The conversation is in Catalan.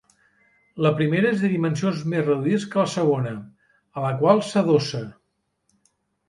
La primera és de dimensions més reduïdes que la segona, a la qual s'adossa.